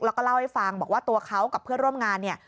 แล้วก็เล่าให้ฟังบอกว่าตัวเขากับเพื่อนร่วมงานเนี่ย